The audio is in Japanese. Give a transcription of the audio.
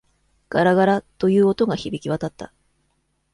ガラガラ、という音が響き渡った。